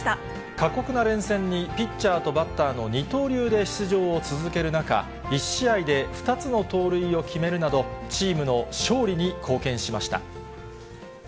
過酷な連戦にピッチャーとバッターの二刀流で出場を続ける中、１試合で２つの盗塁を決めるなど、チームの勝利に貢献しました。